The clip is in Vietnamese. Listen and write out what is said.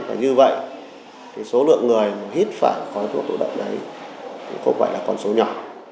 và như vậy số lượng người hít phải khói thuốc thụ động đấy cũng gọi là con số nhỏ